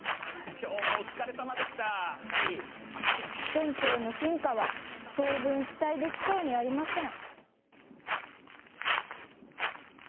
店長の進化は当分期待できそうにありません